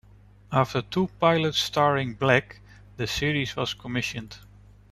After two pilots starring Black, the series was commissioned.